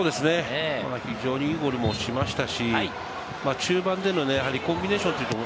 非常にいいゴールもしましたし、中盤でのコンビネーション。